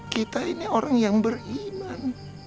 kita ini orang yang beriman